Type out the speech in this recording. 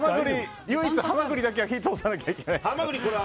唯一ハマグリだけは火を通さなきゃいけないですから。